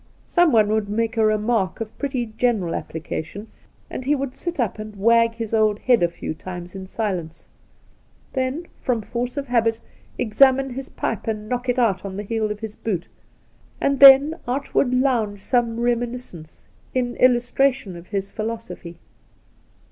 Someone would make a remark of pretty general application, and The Outspan 13 he would sit up and wag his old head a few times in silence ; then, from force of habit, examine his pipe and knock it out on the heel of his boot, and then out would lounge some reminiscence in illus tration of his philosophy.